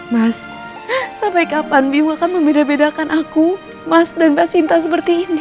mas sampai kapan ibu akan membeda bedakan aku mas dan mbak sinta seperti ini